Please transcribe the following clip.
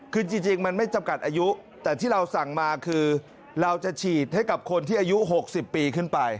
คือจริงมันไม่จำกัดอายุแต่ที่เราสั่งมาคือเราจะฉีดให้กับคนที่อายุ๖๐ปีขึ้นไป